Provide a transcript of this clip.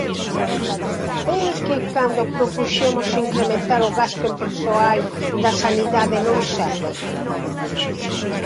¿É que cando propuxemos incrementar o gasto en persoal da sanidade non serve?